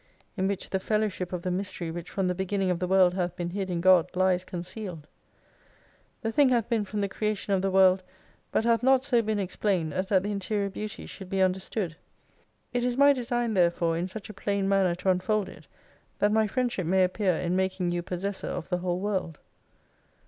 In which the fellowship of the Mystery which from the beginning of the "World hath been hid in God lies concealed ! The thing hath been from the Creation of the "World, but hath not so been explained as that the interior Beauty should be understood. It is my design therefore in such a plain manner to unfold it that my friendship may appear in making you possessor of the whole world.